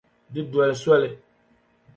Di doli soli.